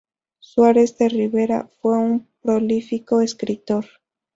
Suárez de Ribera fue un prolífico escritor.